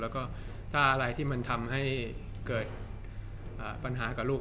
แล้วก็ถ้าอะไรที่มันทำให้เกิดปัญหากับลูก